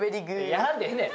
やらんでええねん！